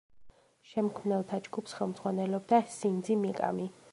შემქმნელთა ჯგუფს ხელმძღვანელობდა სინძი მიკამი.